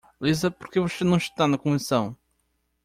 Lisa? porque você não está na convenção?